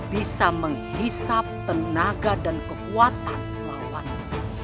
bisa menghisap tenaga dan kekuatan lawan